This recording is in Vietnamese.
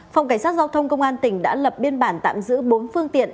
phòng cảnh sát giao thông công an tỉnh đã lập biên bản tạm giữ bốn phương tiện